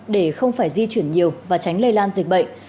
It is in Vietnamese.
để không phải di chuyển nhiều và tránh lây lan dịch bệnh